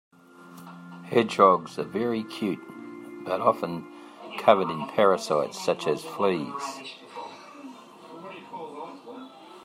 Hedgehogs are very cute but often covered in parasites such as fleas.